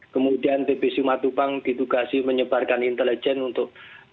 kemudian tbc matupang ditugasi menyebarkan intelijen untuk